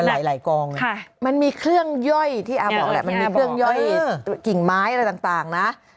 ที่อ๋อมีเครื่องย่อยกิ่งไม้อะไรต่างนะ